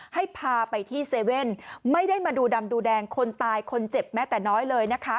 ให้พาไปที่๗๑๑ไม่ได้มาดูดำดูแดงคนตายคนเจ็บแม้แต่น้อยเลยนะคะ